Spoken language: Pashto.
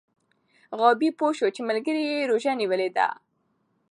غابي پوه شو چې ملګری یې روژه نیولې ده.